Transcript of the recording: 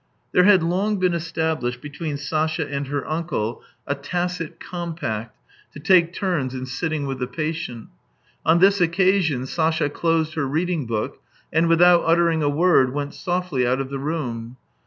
There had long been established between Sasha and her uncle a tacit compact, to take turns in sitting with the patient. On this occasion Sasha closed her reading book, and without uttering a word, went softly out of the room.